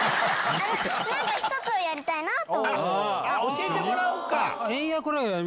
教えてもらおうか。